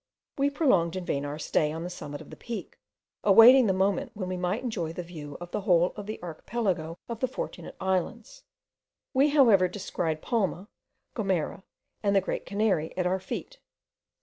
We prolonged in vain our stay on the summit of the Peak, awaiting the moment when we might enjoy the view of the whole of the archipelago of the Fortunate Islands:* we, however, descried Palma, Gomera, and the Great Canary, at our feet.